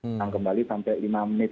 datang kembali sampai lima menit